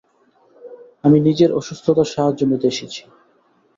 আমি নিজের অসুস্থতার সাহায্য নিতে এসেছি।